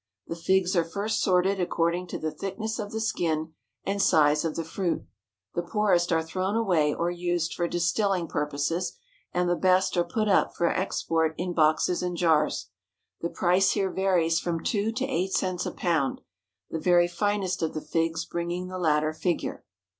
The figs are first sorted according to the thickness of the skin and size of the fruit. The poorest are thrown away or used for distilling purposes, and the best are put up for ex port in boxes and jars. The price here varies from two to eight cents a pound, the very finest of the figs bringing the latter figure.